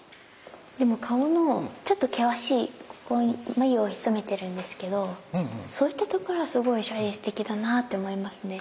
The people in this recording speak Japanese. でも顔のちょっと険しい眉をひそめてるんですけどそういったところはすごい写実的だなって思いますね。